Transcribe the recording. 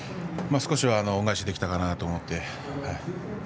少しは恩返しできたかなと思って。